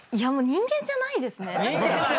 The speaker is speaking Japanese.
もう人間じゃないですね。